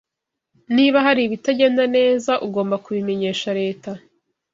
Niba hari ibitagenda neza, ugomba kubimenyesha Leta.